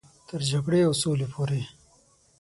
تر جګړې او سولې پورې.